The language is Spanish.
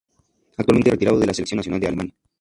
Actualmente retirado de la selección nacional de Alemania.